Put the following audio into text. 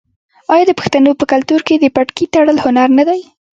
آیا د پښتنو په کلتور کې د پټکي تړل هنر نه دی؟